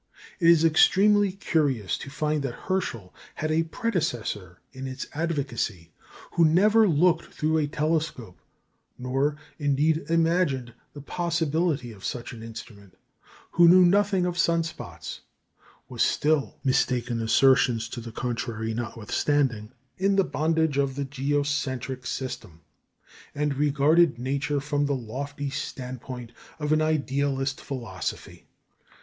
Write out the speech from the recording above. It is extremely curious to find that Herschel had a predecessor in its advocacy who never looked through a telescope (nor, indeed, imagined the possibility of such an instrument), who knew nothing of sun spots, was still (mistaken assertions to the contrary notwithstanding) in the bondage of the geocentric system, and regarded nature from the lofty standpoint of an idealist philosophy.